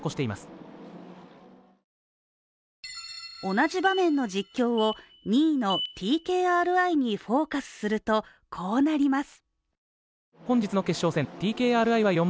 同じ場面の実況を２位のＴＫＲＩにフォーカスするとこうなります。